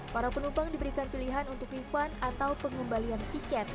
para penumpang diberikan pilihan untuk refund atau pengembalian tiket